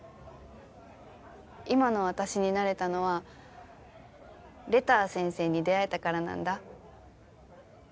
今の私になれたのはレター先生に出会えたからなんだ。